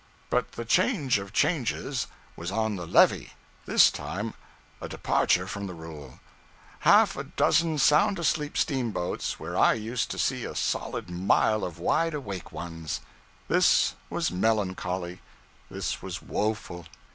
But the change of changes was on the 'levee.' This time, a departure from the rule. Half a dozen sound asleep steamboats where I used to see a solid mile of wide awake ones! This was melancholy, this was woeful.